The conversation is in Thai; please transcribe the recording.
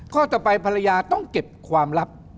ข้อต่อไปภรรยาต้องเก็บความลับ